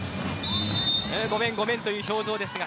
ごめんごめん、という表情です。